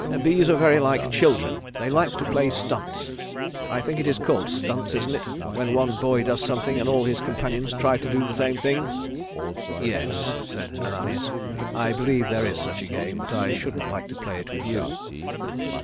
Bees are very like children. They like to play stunts I think it is called stunts, isn't it, when one boy does something, and all his companions try to do the same thing?" "Yes," said Ananias, "I believe there is such a game, but I shouldn't like to play it with you."